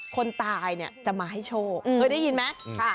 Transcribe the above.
คนตายเนี่ยจะมาให้โชคเคยได้ยินไหม